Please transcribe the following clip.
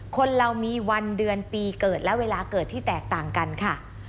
คนเรามีวันเดือนปีเกิดและเวลาเกิดที่แตกต่างกันค่ะ